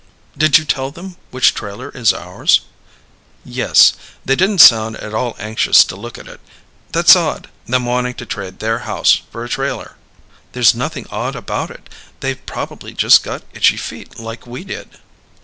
"Did you tell them which trailer is ours?" "Yes. They didn't sound at all anxious to look at it. That's odd them wanting to trade their house for a trailer." "There's nothing odd about it. They've probably just got itchy feet like we did."